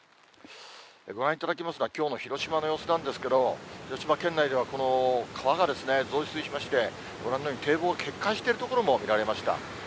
ご覧いただきますのは、きょうの広島の様子なんですけど、広島県内では、川が増水しまして、ご覧のように堤防、決壊している所も見られました。